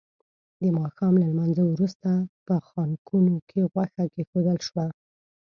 د ماښام له لمانځه وروسته په خانکونو کې غوښه کېښودل شوه.